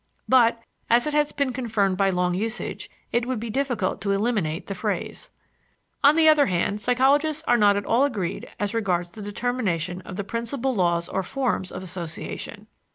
But, as it has been confirmed by long usage, it would be difficult to eliminate the phrase. On the other hand, psychologists are not at all agreed as regards the determination of the principal laws or forms of association.